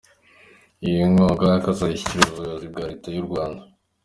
Iyi nkunga ikazashyikirizwa ubuyobozi bwa Leta y’u Rwanda.